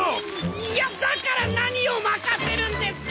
いやだから何を任せるんですか？